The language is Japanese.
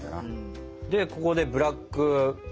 でここでブラック。